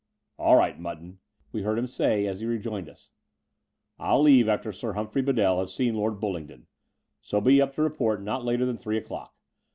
"All right, Mutton," we heard him say, as he rejoined us, "111 leave after Sir Humphrey Bedell has seen Lord Bullingdon : so be up to report not later than three o'clock.